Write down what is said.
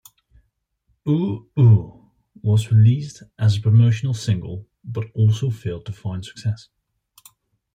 "Ooh Ooh" was released as a promotional single, but also failed to find success.